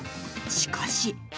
しかし。